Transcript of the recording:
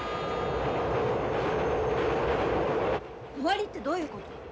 終わりってどういうこと！？